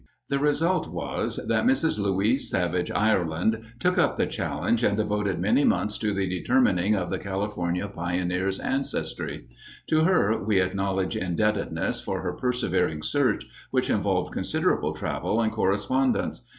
The result was that Mrs. Louise Savage Ireland took up the challenge and devoted many months to the determining of the California pioneer's ancestry. To her we acknowledge indebtedness for her persevering search, which involved considerable travel and correspondence.